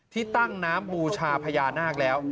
ที่ตั้งน้ำบูชาพญานาคแล้ว